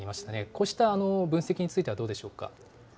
こうした分析についてはどうでしょうか。